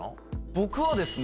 僕はですね